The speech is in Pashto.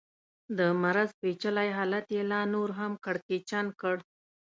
د مرض پېچلی حالت یې لا نور هم کړکېچن کړ.